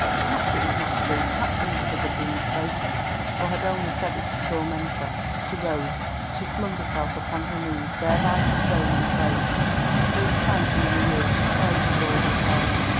"Perhaps it was not true; perhaps Elizabeth had been mistaken or had only said it to torment her." She rose. She flung herself upon her knees, there by the stone, and prayed, this first time for many years—she prayed with all her soul.